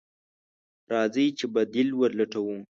راځئ چې بديل ولټوو.